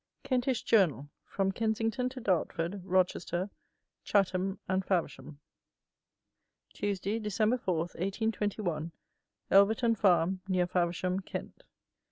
KENTISH JOURNAL: FROM KENSINGTON TO DARTFORD, ROCHESTER, CHATHAM, AND FAVERSHAM. _Tuesday, December 4, 1821, Elverton Farm, near Faversham, Kent.